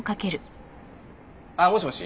あもしもし？